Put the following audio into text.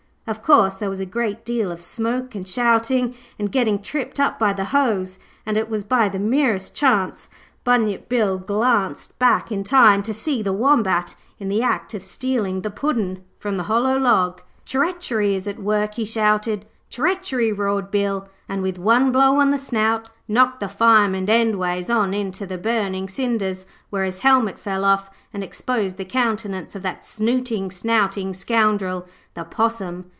Of course there was a great deal of smoke and shouting, and getting tripped up by the hose, and it was by the merest chance Bunyip Bluegum glanced back in time to see the Wombat in the act of stealing the Puddin' from the hollow log. 'Treachery is at work,' he shouted. 'Treachery,' roared Bill, and with one blow on the snout knocked the Fireman endways on into the burning cinders, where his helmet fell off, and exposed the countenance of that snooting, snouting scoundrel, the Possum.